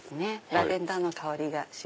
ラベンダーの香りがしますので。